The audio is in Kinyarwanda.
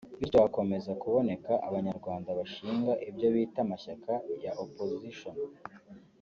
bityo hakomeza kuboneka Abanyarwanda bashinga ibyo bita amashyaka ya opposition